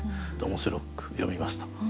面白く読みました。